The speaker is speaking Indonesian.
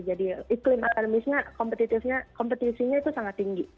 jadi iklim akademisnya kompetitifnya kompetisinya itu sangat tinggi